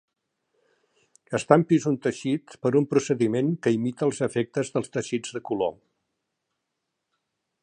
Estampis un teixit per un procediment que imita els efectes dels teixits de color.